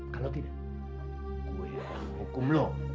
kalau tidak gue ya hukum lo